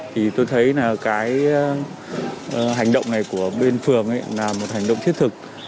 thì tôi thấy là cái hành động này của bên phường là một hành động thiết thực